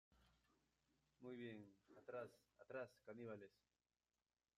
¡ Muy bien, atrás! ¡ atrás , caníbales !